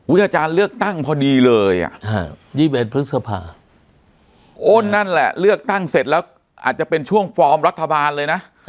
อาจารย์เลือกตั้งพอดีเลย๒๑พฤษภาโอ้นั่นแหละเลือกตั้งเสร็จแล้วอาจจะเป็นช่วงฟอร์มรัฐบาลเลยนะ